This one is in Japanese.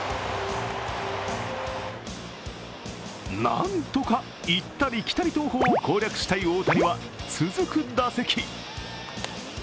なんとか行ったり来たり投法を攻略したい大谷は続く打席。